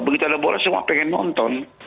begitu ada bola semua pengen nonton